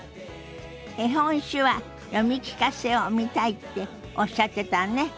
「絵本手話読み聞かせ」を見たいっておっしゃってたわね。